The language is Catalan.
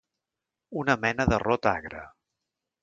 Una mena de rot agre.